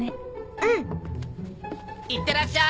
うん。いってらっしゃい！